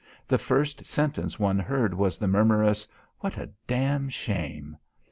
The first sentence one heard was the murmurous "What a damn shame."